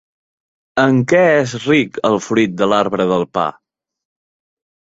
En què és ric el fruit de l'arbre del pa?